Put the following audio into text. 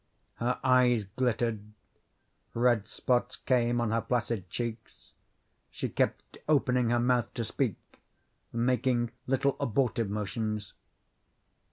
Her eyes glittered, red spots came on her flaccid cheeks; she kept opening her mouth to speak, making little abortive motions.